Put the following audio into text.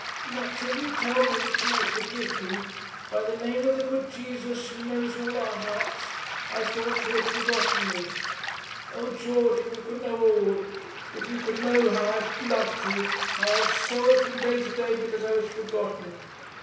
'Not till you tell me that you will forgive me. By the name of the good Jesus, who knows all our hearts, I thought that you had forgotten me. O George, if you could know all! If you could know how I have loved you; how I have sorrowed from day to day because I was forgotten!